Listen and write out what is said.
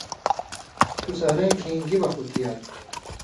تُو سَحرَئیں کھئیں گِی وَخ اُتھیات؟